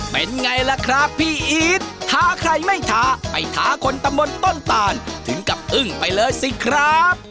เป็นไงล่ะครับพี่อีทท้าใครไม่ท้าไปท้าคนตำบลต้นตานถึงกับอึ้งไปเลยสิครับ